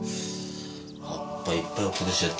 葉っぱいっぱい落っことしちゃって。